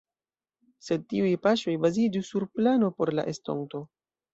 Sed tiuj paŝoj baziĝu sur plano por la estonto.